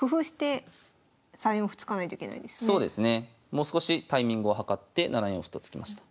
もう少しタイミングを計って７四歩と突きました。